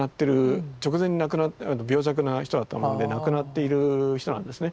直前に病弱な人だったので亡くなっている人なんですね。